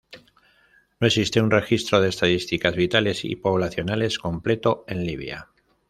No existe un registro de estadísticas vitales y poblacionales completo en Libia.